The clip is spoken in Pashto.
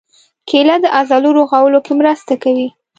کېله د عضلو رغولو کې مرسته کوي.